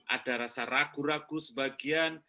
ada rasa ragu ragu sebagian